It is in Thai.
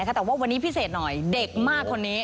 แต่ว่าวันนี้พิเศษหน่อยเด็กมากคนนี้